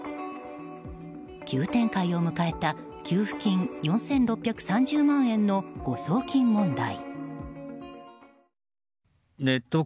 急展開を迎えた給付金４６３０万円の誤送金問題。